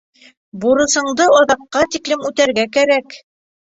Бурысыңды аҙаҡҡа тиклем үтәргә кәрәк.